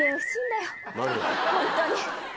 ホントに。